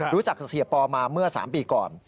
รู้จักกับเสียปอมาเมื่อ๓ปีก่อน